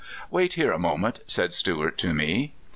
"Wait here a moment," said Stewart to me.